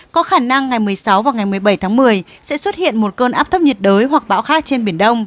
có khả năng ngày một mươi sáu và ngày một mươi bảy tháng một mươi sẽ xuất hiện một cơn áp thấp nhiệt đới hoặc bão khác trên biển đông